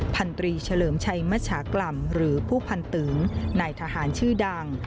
พันตรีเฉลิมชัยมชากล่ำหรือผู้พันตึงนายทหารชื่อดัง